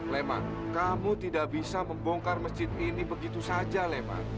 lema kamu tidak bisa membongkar masjid ini begitu saja lema